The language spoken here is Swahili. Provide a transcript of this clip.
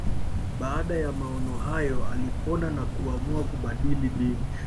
Baada ya maono hayo alipona na kuamua kubadili dini